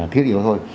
thiết yếu thôi